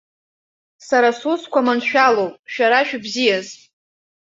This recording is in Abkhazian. Сара сусқәа маншәалоуп, шәара шәыбзиаз!